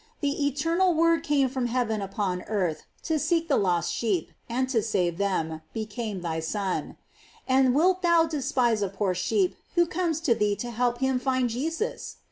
The eternal Word came from heaven upon earth to seek the lost sheep, and to save them, became thy Son. And wilt thou despise a poor sheep, who comes to thee to help him find Jesus?